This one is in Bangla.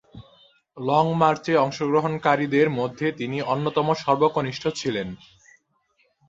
লং মার্চে অংশগ্রহণকারীদের মধ্যে তিনি অন্যতম সর্বকনিষ্ঠ ছিলেন।